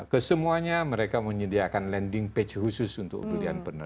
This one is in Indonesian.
kesemuanya mereka menyediakan landing page khusus untuk pembelian produk